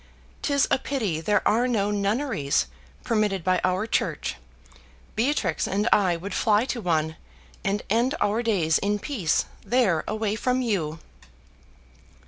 'Tis a pity there are no nunneries permitted by our church: Beatrix and I would fly to one, and end our days in peace there away from you."